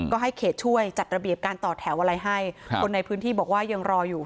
ก็ให้เขตช่วยจัดระเบียบการต่อแถวอะไรให้คนในพื้นที่บอกว่ายังรออยู่